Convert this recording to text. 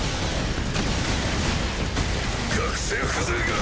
学生風情が！